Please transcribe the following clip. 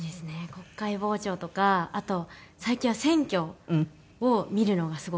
国会傍聴とかあと最近は選挙を見るのがすごく好きです。